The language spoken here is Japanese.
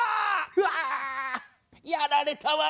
「うわ！やられたわい」。